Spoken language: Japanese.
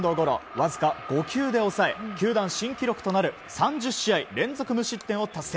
わずか５球で抑え球団新記録となる３０試合連続無失点を達成。